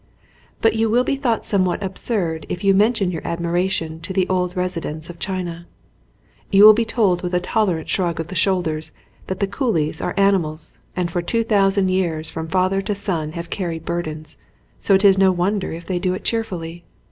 But you will be thought somewhat absurd if you mention your admiration to the old resi dents of China. You will be told with a tolerant shrug of the shoulders that the coolies are animals and for two thousand years from father to son have carried burdens, so it is no wonder if they do it cheerfully.